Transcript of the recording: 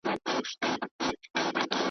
تر بور به وي پښېمانه د پېړیو له بدیو .